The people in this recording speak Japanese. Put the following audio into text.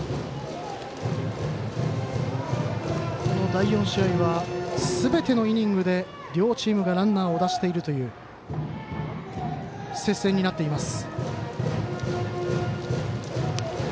第４試合はすべてのイニングで両チームがランナーを出しているという接戦になっています。